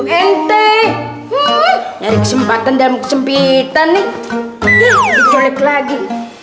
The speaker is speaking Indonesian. aduh ente dari kesempatan dalam kesempitan nih dicolek lagi